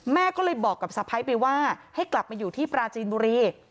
แม่ก็เลยบอกกับสะพ้ายไปว่าให้กลับมาอยู่ที่ปราจีนบุรี